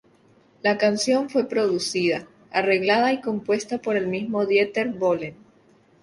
La canción fue producida, arreglada y compuesta por el mismo Dieter Bohlen.